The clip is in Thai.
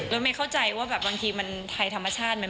ไม่เข้าใจว่าแบบบางทีมันไทยธรรมชาติ